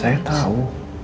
ya saya tau